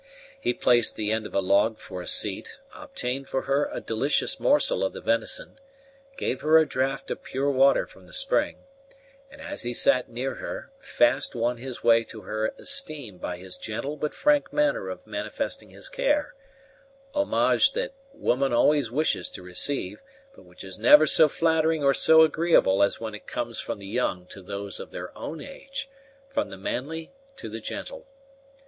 He placed the end of a log for a seat, obtained for her a delicious morsel of the venison, gave her a draught of pure water from the spring, and as he sat near her, fast won his way to her esteem by his gentle but frank manner of manifesting his care; homage that woman always wishes to receive, but which is never so flattering or so agreeable as when it comes from the young to those of their own age from the manly to the gentle.